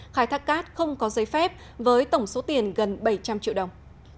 khai thác cát không có giấy phép với tổng số tiền gần bảy trăm linh triệu đồng